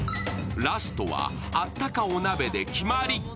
ラストは、あったかお鍋で決まり。